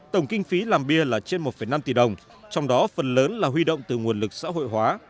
tổng kinh phí làm bia là trên một năm tỷ đồng trong đó phần lớn là huy động từ nguồn lực xã hội hóa